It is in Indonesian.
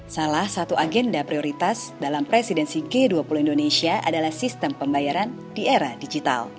salah satu agenda prioritas dalam presidensi g dua puluh indonesia adalah sistem pembayaran di era digital